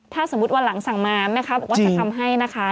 ถ้าสมมุติวันหลังสั่งมาแม่ค้าบอกว่าจะทำให้นะคะ